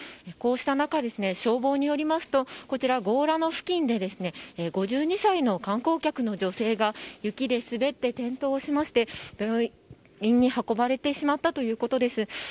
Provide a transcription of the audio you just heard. こうした中、消防によりますとこちら、強羅の付近で５２歳の観光客の女性が雪で滑って転倒しまして病院に運ばれてしまったということです。